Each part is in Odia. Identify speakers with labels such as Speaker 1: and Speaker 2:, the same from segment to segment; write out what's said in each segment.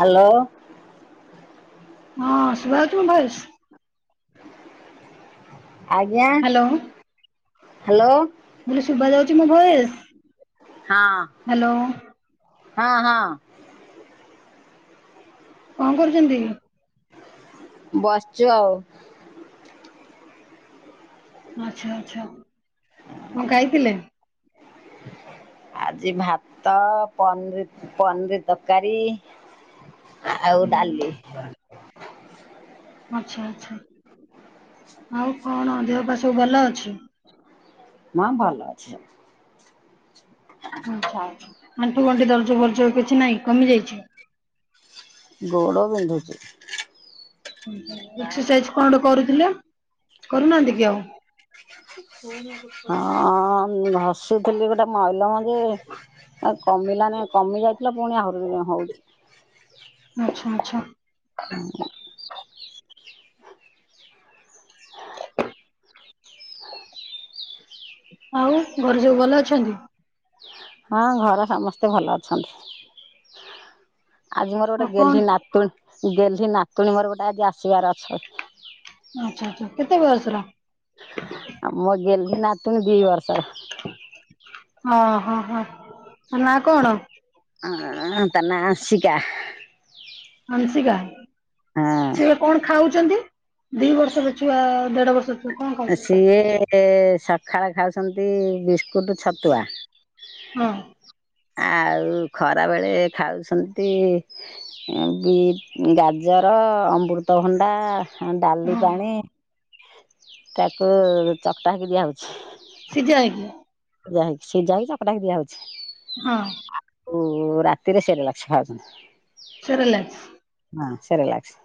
Speaker 1: ହାଲୋ।
Speaker 2: ହଁ ଶୁବାଯାଉଛି ମୋ ଭଏସ୍?
Speaker 1: ଆଜ୍ଞା,
Speaker 2: ହ୍ୟାଲୋ
Speaker 1: ହାଲୋ।
Speaker 2: କହିଲି ଶୁଭା ଯାଉଛି ମଁ ଭଏସ୍?
Speaker 1: ହଁ, ହଁ ହଁ।
Speaker 2: କଣ କରୁଛନ୍ତି?
Speaker 1: ବସଚୁ ଆଉ।
Speaker 2: ଆଚ୍ଛା ଆଚଛା। କଣ ଖାଇଥିଲେ?
Speaker 1: ଆଜି ଭାତ ପନିର ପନିର ତରକାରୀ। ଆଉ ଡାଲି।
Speaker 2: ଆଛା ଆଛା ଆଉ? କଣ ଦେହ ପା ସବୁ ଭଲ ଅଛି?
Speaker 1: ମା ଭଲ ଅଛି ସବୁ।
Speaker 2: ଆଛା ଆଛା ଆଣ୍ଠୁ ଗଣ୍ଠି ଦରଜ ବର୍ଜ କିଛି ନାଇଁ କମି ଯାଇଛି।
Speaker 1: ଗୋଡ଼ ବିନ୍ଧୁଛି।
Speaker 2: ଏକ୍ସରସାଇଜ କଣ ଟେ କରୁଥିଲେ କରୁନାହାନ୍ତି କି ଆଉ?
Speaker 1: ହଁ ଘସୁଥିଲି ଗୋଟେ ମଇଲ ଯେ ଆ କମିଲାନି କମି ଯାଇଥିଲା ପୁଣି ଆହୁରି ହଉଛି।
Speaker 2: ଆଚ୍ଛା ଆଚ୍ଛା। ଆଉ, ଘରେ ସବୁ ଭଲ ଅଛନ୍ତି?
Speaker 1: ହଁ ଘରେ ସମସ୍ତେ ଭଲ ଅଛନ୍ତି। ଆଜି ମୋର ଗୋଟେ
Speaker 2: ଆଉ କଣ
Speaker 1: ଗେହ୍ଲି ନାତୁଣ ଗେହ୍ଲି ନାତୁଣୀ ମୋର ଗୋଟେ ଆଜି ଆସିବାର ଅଛି।
Speaker 2: ଆଚ୍ଛା ଆଚ୍ଛା କେତେ ବୟସର?
Speaker 1: ଆଉ ମୋ ଗେହ୍ଲି ନାତୁଣୀ ଦି ବରସ ର।
Speaker 2: ଓଁ ହୋ ହୋ ନା କଣ?
Speaker 1: ହ ତା ନା ଅଂଶିକା।
Speaker 2: ହଂଶିକା ସେ
Speaker 1: ହଁ
Speaker 2: କଣ ଖାଉଛନ୍ତି, ଦି ବର୍ଷର ଛୁଆ ଦେଢ ବର୍ସ
Speaker 1: ସିଏ ସକାଳ ଖାଉଛନ୍ତି ବି କୁଟୁ ଛାତୁଆ।
Speaker 2: ହଁ
Speaker 1: ଆଉ ଖରା ବେଳେ ଖାଉଛନ୍ତି ବି ଗାଜର ଅମୃତଭଣ୍ଡା ଡାଲି
Speaker 2: ହଁ
Speaker 1: ପାଣି ତାକୁ ଚକଟାକି ଦିଆ ହଉଛି।
Speaker 2: ସିଜା ହେଉକି
Speaker 1: ଯା ହେଇ ସିଯାଇକି ଚକଟା ହେକି ଦିଆ ହଉଛି।
Speaker 2: ହଁ।
Speaker 1: ଆଉ ରାତିରେ ସରେଲକସ୍ ଖାଉଛନ୍ତି।
Speaker 2: ସେରିଲାକ୍ସ
Speaker 1: ହଁ ସେରିଲକ୍ସ।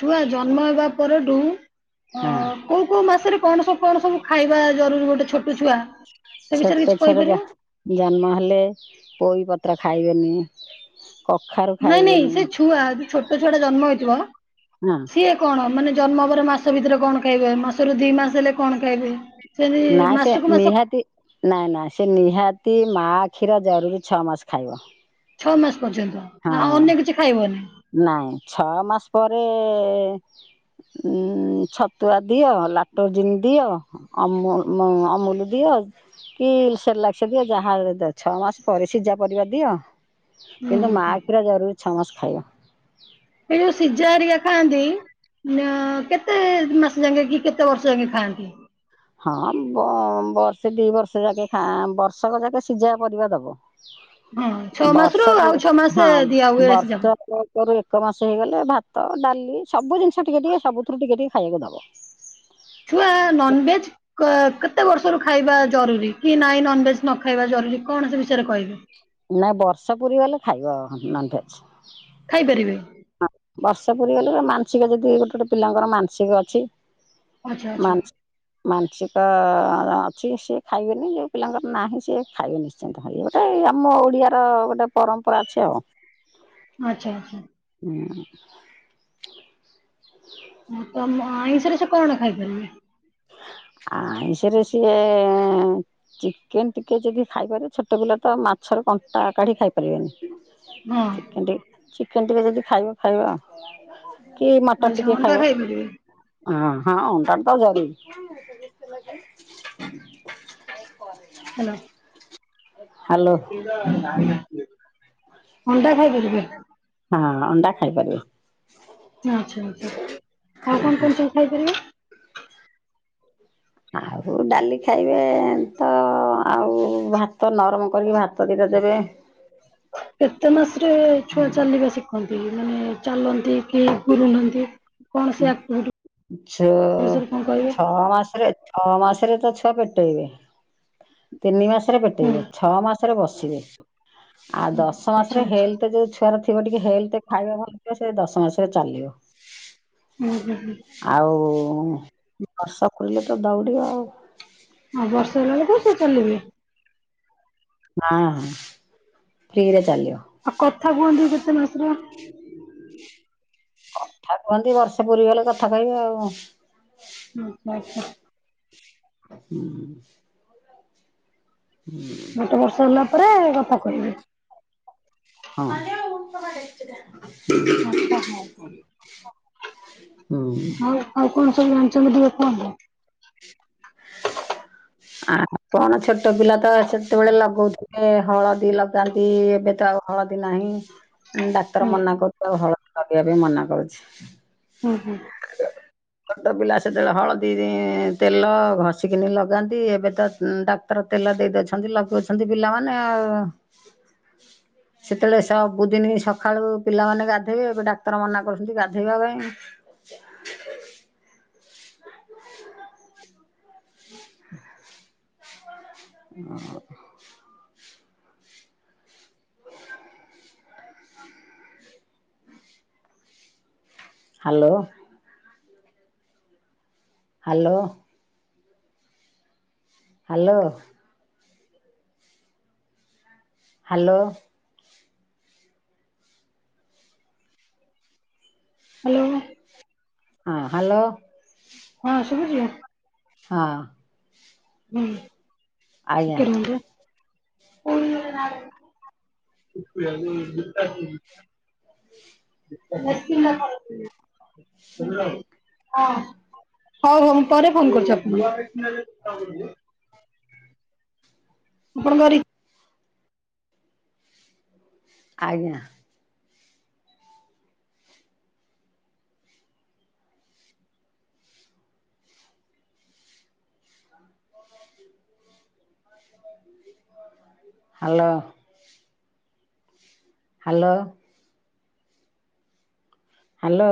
Speaker 2: ଛୁଆ ଜନ୍ମ ହେବା ପରଠୁ ଅ
Speaker 1: ହଁ
Speaker 2: କୋଉ କୋଉ ମାସରେ କଣ ସବୁ କଣ ସବୁ ଖାଇବା ଜରୁରୀ ଗୋଟେ ଛୋଟ ଛୁଆ ସେ ବିଷୟରେ
Speaker 1: ଛୋଟ
Speaker 2: କିଛି
Speaker 1: ଛୁଆର
Speaker 2: କହିପାରିବ?
Speaker 1: ଜନ୍ମ ହେଲେ ପୋଇ ପତ୍ର ଖାଇବେନି। କଖାରୁ
Speaker 2: ନାଇଁ ନାଇଁ
Speaker 1: ଖାଇବେନି
Speaker 2: ସେ ଛୁଆ ଯୋଉ ଛୋଟ ଛୁଆଟା ଜନ୍ମ ହେଇଥିବ
Speaker 1: ହଁ
Speaker 2: ସିଏ କଣ ମାନେ ଜନ୍ମ ପରେ ମାସ ଭିତରେ କଣ ଖାଇବେ ମାସରୁ ଦି ମାସ ହେଲେ କଣ ଖାଇବେ ସେମିତି
Speaker 1: ନା ସେ
Speaker 2: ମାସକୁ ମାସ
Speaker 1: ନିହାତି ନାଇଁ ନାଇଁ ସେ ନିହାତି ମା କ୍ଷୀର ଜରୁରୀ ଛଅ ମାସ ଖାଇବ।
Speaker 2: ଛଅ ମାସ ପର୍ଯ୍ୟନ୍ତ
Speaker 1: ହଁ
Speaker 2: ଆଉ ଅନ୍ୟ କିଛି ଖାଇବନି।
Speaker 1: ନାଇଁ ଛଅ ମାସ ପରେ ଉ ଛତୁଆ ଦିଅ ଲାକ୍ଟଜିନ ଦିଅ। ଆମ ଅମୁଲ ଦିଅ କି ସେରଲାକ୍ସ ଦିଅ ଯାହା ଦିଅ। ଛଅ ମାସ ପରେ ସିଝା ପରିବା ଦିଅ।
Speaker 2: ହୁଁ
Speaker 1: କିନ୍ତୁ
Speaker 2: ହୁଁ
Speaker 1: ମାଆ କ୍ଷୀର ଜରୁରୀଛଅ ମାସ ଖାଇବା।
Speaker 2: ଏଇ ଯୋଉ ସିଝା ହେରିକା ଖାଆନ୍ତି ନା କେତେ ମାସେ ଯାଙ୍କେ କି କେତେ ବର୍ଷ ଯାକେ ଖାଆନ୍ତି।
Speaker 1: ହଁ ବର୍ଷେ ଦି ବର୍ଷ ଯାକେ ଖା ବର୍ଷକ ଯାକେ ସିଝା ପରିବା ଦବ।
Speaker 2: ହଁ ଛଅ ମାସରୁ ଆଉ
Speaker 1: ବର୍ଷକୁ
Speaker 2: ଛଅ ମାସ
Speaker 1: ହଁ
Speaker 2: ଦିଆ ହୁଏ ସିଝାକୁ।
Speaker 1: ବର୍ଷ ବର୍ଷରୁ ଏକ ମାସ ହେଇଗଲେ ଭାତ ଡାଲି ସବୁ ଜିନିଷ ଟିକେ ଟିକେ ସବୁଥିରୁ ଟିକେ ଟିକେ ଖାଇବାକୁ ଦବ।
Speaker 2: ଛୁଆ ନନଭେଜ୍‌ କେତେ ବର୍ଷରୁ ଖାଇବା ଜରୁରୀ କି ନାଇଁ ନନ୍‌ଭେଜ ନ ଖାଇବା ଜରୁରୀ କଣ ସେ ବିଷୟରେ କହିବେ
Speaker 1: ନାଇ ବର୍ଷ ପୁରୀ ଗଲେ ଖାଇବ ନନ୍‌ଭେଜ।
Speaker 2: ଖାଇପାରିବେ।
Speaker 1: ହଁ ବର୍ଷ ପୁରୀ ଗଲେ ମାନସିକ ଯଦି ଗୋଟେ ଗୋଟେ ପିଲାଙ୍କର ମାନସିକ ଅଛି।
Speaker 2: ଆଚ୍ଛା ଆଚ୍ଛା
Speaker 1: ମାନସି ମାନସିକ ଅଛି ସିଏ ଖାଇବେନି ଯେଉଁ ପିଲାଙ୍କର ନାହିଁ ସିଏ ଖାଇବେନି ସେମ୍ ତେ ଖାଇବେ ଗୋଟେ ଆମ ଓଡିଆର ଗୋଟେ ପରମ୍ପରା ଅଛି ଆଉ।
Speaker 2: ଆଚ୍ଛା ଆଚ୍ଛା।
Speaker 1: ହୁଁ।
Speaker 2: ହୁଁ ତମ ଆଇଁଷରେ ସେ କଣ ଖାଇପାରିବେ।
Speaker 1: ଆଇଁଷରେ ସିଏ ଚିକେନ ଟିକେ ଯଦି ଖାଇପାରିବେ ଛୋଟ ପିଲା ତ ମାଛର କଣ୍ଟା କାଢି ଖାଇ ପାରିବେନି।
Speaker 2: ହଁ
Speaker 1: ଚିକେନ ଟିକେ ଚିକେନ ଟିକେ ଯଦି ଖାଇବ ଖାଇବ। କି ମଟନ୍
Speaker 2: ଆଚ୍ଛା
Speaker 1: ଟିକେ
Speaker 2: ଅଣ୍ଡା
Speaker 1: ଖାଇବ
Speaker 2: ଖାଇପାରିବେ
Speaker 1: ଆଁ ହଁ ଅଣ୍ଡା ତ ଜରୁରି।
Speaker 2: ହାଲୋ।
Speaker 1: ହାଲୋ
Speaker 2: ଅଣ୍ଡା ଖାଇପାରିବ।
Speaker 1: ହଁ ଅଣ୍ଡା ଖାଇପାରିବେ।
Speaker 2: ଆଚ୍ଛା ଆଛା ଆଉ କଣ କଣ ସବୁ ଖାଇପାରିବେ।
Speaker 1: ଆଉ ଡାଲି ଖାଇବେ ତ ଆଉ ଭାତ ନରମ କରିକି ଭାତ ଦିଟା ଦେବେ।
Speaker 2: କେତେ ମାସରେ ଛୁଆ ଚାଲିବ ସିଖ୍ [unintelligible] ମାନେ ଚାଲନ୍ତି କି ଗୁରୁଣ୍ଡନ୍ତି।
Speaker 1: ଛ
Speaker 2: ବିଷୟରେ କଣ କହିବେ?
Speaker 1: ଛଅ ମାସରେ ଛଅ ମାସରେ ତ ଛୁଆ ପେଟେଇବେ ତିନି ମାସରେ
Speaker 2: ହୁଁ
Speaker 1: ପେଟେଇବେ ଛଅ ମାସରେ ବସ ସିବେ ଆଉ ଦଶ
Speaker 2: ଆଚ୍ଛା
Speaker 1: ମାସରେ
Speaker 2: ଆଚ୍ଛା
Speaker 1: ହେଲ୍‌ତେ ଯୋଉ ଛୁ ତର ଥିବ ଟିକେ ହେଲ୍‌ତେ ଖାଇବା ଭଲ ଥିବ ସେ ଦଶ ମାସରେ ଚାଲିବ।
Speaker 2: ହୁଁ ହୁଁ ହୁଁ।
Speaker 1: ଆଉ ବର୍ଷ ପୁରିଲେ ତ ଦଉଡିବ।
Speaker 2: ହଁ ବର୍ଷ ହେଲା ବେଳେକୁ ଚାଲିବେ।
Speaker 1: ହଁ ଫ୍ରିରେ ଚାଲିବ।
Speaker 2: ଆଉ କଥା କୁହନ୍ତି କେତେ ମାସର
Speaker 1: କଥା କୁହନ୍ତି ବର୍ଷେ ପୁରୀ ଗଲେ କଥା କହିବେ ଆଉ।
Speaker 2: ହୁଁ ଆଚ୍ଛା।
Speaker 1: ହୁଁ। ହୁଁ।
Speaker 2: ଗୋଟେ ବର୍ଷ ହେଲା ପରେ କଥା କହିବେ।
Speaker 1: ହଁ।
Speaker 2: ଆଚ୍ଛା ହଁ ହଁ।
Speaker 1: ହୁଁ।
Speaker 2: ଆଉ ଆଉ କଣ ସବୁ ହାଲଚାଲ ସବୁ କୁହନ୍ତୁ।
Speaker 1: ଆ କଣ ଛୋଟ ପିଲା ତ ସେତେବେଳେ ଲଗଉଥିଲେ ହଳଦୀ ଲଗାନ୍ତି ଏବେ ତ ଆଉ ହଳଦୀ ନାହିଁ ଡାକ୍ତର
Speaker 2: ହୁଁ
Speaker 1: ମନା କରୁଛି ଆଉ ହଳଦୀ ଲଗେଇବା ପାଇଁ ମନା କରୁଛି।
Speaker 2: ହୁଁ ହୁଁ।
Speaker 1: ଛୋଟ ପିଲା ସେତେ ବେଳେ ହଳଦୀ ତେଲ ଘଷିକିନି ଲଗ ଲଗାନ୍ତି ଏବେ ତ ଡାକ୍ତର ତେଲ ଦେଇ ଦଉଛନ୍ତି ଲଗଉଛନ୍ତି ପିଲାମାନେ ଆଉ ସେତେ ବେଳେ ସବୁଦିନି ସକାଳୁ ପିଲାମାନେ ଗାଧେଇବେ ଡାକ୍ତର ମନା କରୁଛନ୍ତି ଗାଧେଇବା ପାଇଁ। ଆ hello. Hello. Hello. Hello.
Speaker 2: Hello.
Speaker 1: ହଁ ହ୍ୟାଲୋ।
Speaker 2: ହଁ ଶୁଭୁଛି?
Speaker 1: ହଁ।
Speaker 2: ହୁଁ
Speaker 1: ଆଜ୍ଞା
Speaker 2: ଟିକେ ରୁହନ୍ତୁ। [inaudible] [inaudible] ହଉ ହଉ ମୁଁ ପରେ ଫୋନ କରୁଚି ଆପଣଙ୍କୁ। [unintelligible] ଆପଣଙ୍କ ବରି।
Speaker 1: ଆଜ୍ଞା hello hello hello.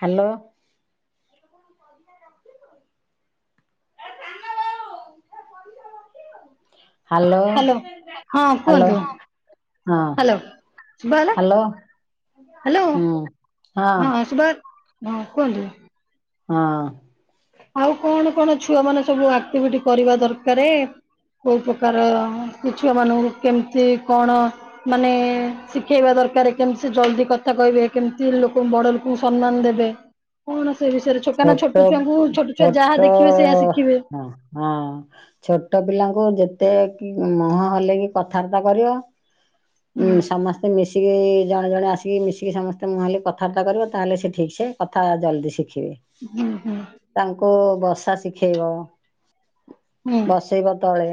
Speaker 1: Hello. Hello
Speaker 2: hello ହଁ
Speaker 1: ହାଲୋ
Speaker 2: କୁହନ୍ତୁ
Speaker 1: ହଁ
Speaker 2: ହ୍ୟାଲୋ। ଶୁଭା ହେଲା
Speaker 1: ହାଲୋ।
Speaker 2: ହ୍ୟାଲୋ ହଁ ସୁଭ ହଁ କୁହନ୍ତୁ।
Speaker 1: ହଁ
Speaker 2: ଆଉ କଣ କଣ ଛୁଆ ମାନେ ସବୁ ଆକ୍ଟିଭିଟି କରିବା ଦରକାରେ। କେଉଁ ପ୍ରକାର ଛୁଆମାନଙ୍କୁ କେମିତି କଣ ମାନେ ଶିଖେଇବା ଦରକାର କେମିତି ସେ ଜଲଦି କଥା କହିବେ କେମିତି ଲୋକ ବଡ ଲୋକ ସମ୍ମାନ ଦେବେ କଣ ସେ ବିଷୟରେ ଛୋକ ନା ଛୋଟ ଛୁଆଙ୍କୁ ଛୁଆ ଯାହା
Speaker 1: ଛୋଟ
Speaker 2: ଦେଖିବେ ସେଇଆ ଶିଖିବେ।
Speaker 1: ହଁ ହଁ। ଛୋଟ ପିଲାଙ୍କୁ ଯେତେ ମୁହଁ ହେଲେଇକି କଥାବାର୍ତ୍ତା କରିବ ହୁଁ ସମସ୍ତ ସେ ମିଶିକି ଜଣେ ଜଣେ ଆସିକି ମିଶିକି ସମସ୍ତେ ମୁଁ ହଲେଇକି କଥାବାର୍ତ୍ତା କରିବ ତାହଲେ ସେ ଠିକ୍ସେ କଥା ଜଲ୍ଦି ଶିଖିବେ।
Speaker 2: ହୁଁ ହୁଁ
Speaker 1: ତାଙ୍କୁ ବସା ଶିଖେଇବ
Speaker 2: ହୁଁ
Speaker 1: ବସେଇବ ତଳେ।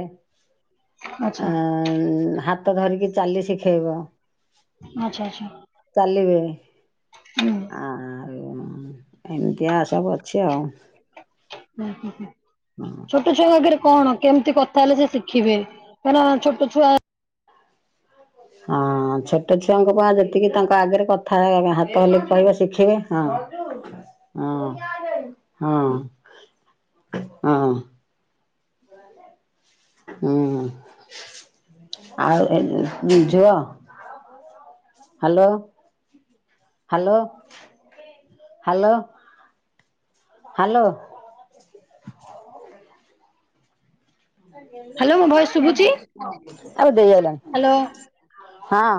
Speaker 2: ଆଚ୍ଛା
Speaker 1: ଆ ହାତ ଧରିକି ଚାଲି ଶିଖେଇବ।
Speaker 2: ଆଚ୍ଛା ଆଚ୍ଛା
Speaker 1: ଚାଲିିବେ
Speaker 2: ହୁଁ ହୁଁ
Speaker 1: ଆଉ ଏମିତି। ଏଇୟା ସବୁ ଅଛି ଆଉ।
Speaker 2: ହୁଁ ହୁଁ ହୁଁ ଛୋଟ ଛୁଆଙ୍କ ଆଗରେ କଣ କେମିତି କଥା ହେଲେ ସେ ଶିଖିବେ ମାନେ ଛୋଟ ଛୁଆ
Speaker 1: ହଁ ଛୋଟ ଛୁଆଙ୍କ ପା ଯେତିକି ତାଙ୍କ ଆଗରେ କଥା ହାତ ହଲେଇଲି କହିବେ ଶିଖିବେ। ହଁ ହଁ ହଁ ହଁ। ହୁଁ, ଆଉ ଏ ଝୁଅ hello hello. Hello hello.
Speaker 2: Hello ମୋ ଭଏସ ଶୁଭୁଛି
Speaker 1: [inaudible]
Speaker 2: ହ୍ୟାଲୋ।
Speaker 1: ହଁ।